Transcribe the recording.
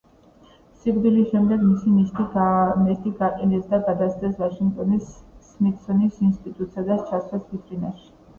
სიკვდილის შემდეგ მისი ნეშტი გაყინეს და გადასცეს ვაშინგტონის სმითსონის ინსტიტუტს, სადაც ჩასვეს ვიტრინაში.